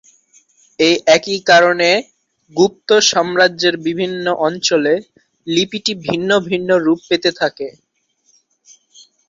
এই একই কারণে গুপ্ত সাম্রাজ্যের বিভিন্ন অঞ্চলে লিপিটি ভিন্ন ভিন্ন রূপ পেতে থাকে।